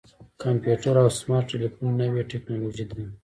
کمپیوټر او سمارټ ټلیفون نوې ټکنالوژي ده.